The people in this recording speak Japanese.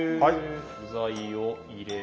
具材を入れて。